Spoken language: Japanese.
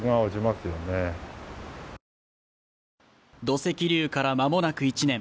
土石流からまもなく１年